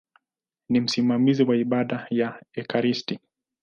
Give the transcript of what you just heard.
Ni msimamizi wa ibada za ekaristi.